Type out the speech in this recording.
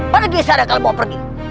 pada bisa ada kali bawa pergi